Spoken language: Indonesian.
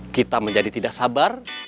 kita menjadi tidak sabar